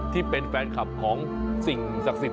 ที่เป็นแฟนคลับของสิ่งศักดิ์สิทธิ